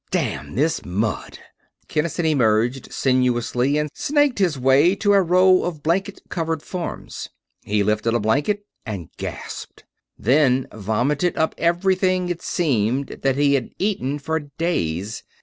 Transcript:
Damn this mud!" Kinnison emerged sinuously and snaked his way to a row of blanket covered forms. He lifted a blanket and gasped: then vomited up everything, it seemed, that he had eaten for days.